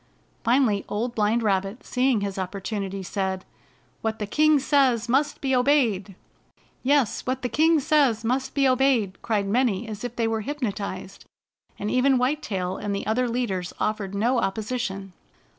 Finally Old Blind Rabbit, seeing his opportunity, said: "What the king says must be obeyed!" "Yes, what the king says must be obeyed!" cried many as if they were hypnotized, and even White Tail and the other leaders offered no op position.